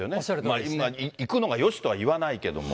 行くのがよしとは言わないけども。